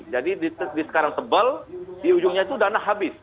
jadi di sekarang tebal di ujungnya itu dana habis